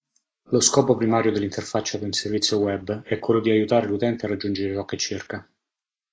Lo scopo primario dell'interfaccia di un servizio web è quello di aiutare l'utente a raggiungere ciò che cerca.